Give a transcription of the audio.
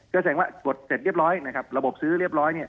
ก็แสดงว่ากดเสร็จเรียบร้อยนะครับระบบซื้อเรียบร้อยเนี่ย